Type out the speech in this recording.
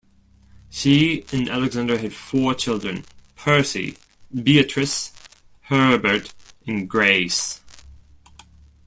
She and Alexander had four children: Percy, Beatrice, Herbert, and Grace.